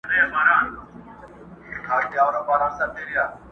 وس پردی وو د خانانو ملکانو!.